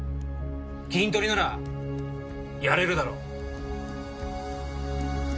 キントリならやれるだろ。